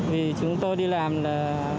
vì chúng tôi đi làm là